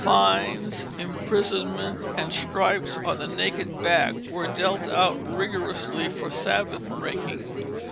Fines, imprisonment, and stripes on the naked back were dealt out rigorously for Sabbath breaking.